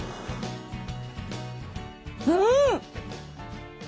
うん！